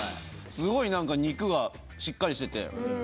すごい何か肉がしっかりしてて。